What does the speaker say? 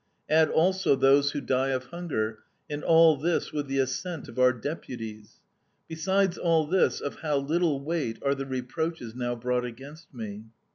Add also those who die of hunger, and all this with the assent of our Deputies. Beside all this, of how little weight are the reproaches now brought against me!